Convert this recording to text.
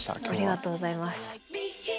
ありがとうございます。